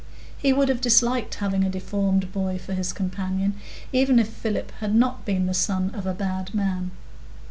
He would have disliked having a deformed boy for his companion, even if Philip had not been the son of a bad man.